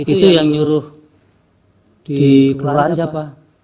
itu yang nyuruh di kelalaian siapa